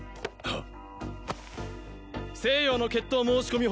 あっ！